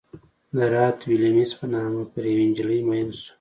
د رات ویلیمز په نامه پر یوې نجلۍ مین شو.